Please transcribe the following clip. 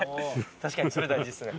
確かにそれ大事ですね。